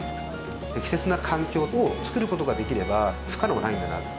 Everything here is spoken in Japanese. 適切な環境をつくることができれば不可能はないんだなって。